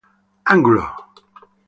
Angulo.